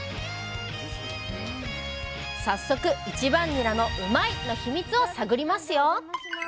早速１番ニラのうまいッ！の秘密を探りますよ！